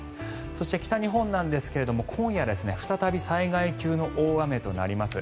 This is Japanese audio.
そして北日本ですが今夜再び災害級の大雨となります。